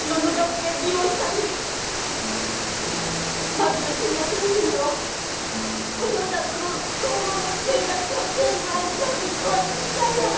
マキの進学の夢をお父ちゃんとの老後の生活を全部あいつがぶち壊しにしたんや！